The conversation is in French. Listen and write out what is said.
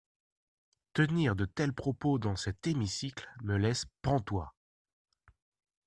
Tenir de tels propos dans cet hémicycle me laisse pantois.